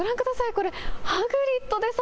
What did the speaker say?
これ、ハグリッドです。